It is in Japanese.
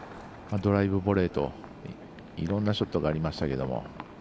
ドライブボレーと、いろんなショットがありましたが。